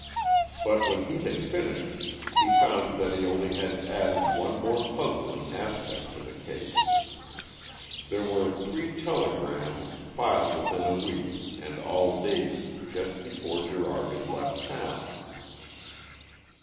But when he had finished he found that he had only added one more puzzling aspect to the case. There were three telegrams, filed within a week and all dated just before Gerard had left town.